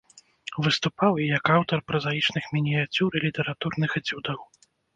Выступаў і як аўтар празаічных мініяцюр і літаратурных эцюдаў.